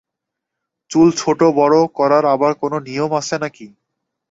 চুল ছোটো-বড় করার আবার কোনো নিয়ম আছে নাকি?